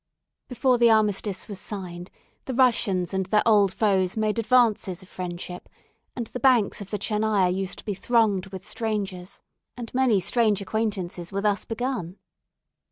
Before the armistice was signed, the Russians and their old foes made advances of friendship, and the banks of the Tchernaya used to be thronged with strangers, and many strange acquaintances were thus began.